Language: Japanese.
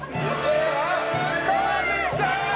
川口さん！